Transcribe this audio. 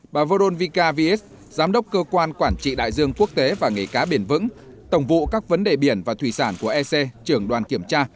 bà vodon vika vez giám đốc cơ quan quản trị đại dương quốc tế và nghề cá bền vững tổng vụ các vấn đề biển và thủy sản của ec trưởng đoàn kiểm tra